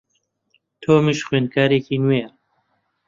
تۆمیش خوێندکارێکی نوێیە.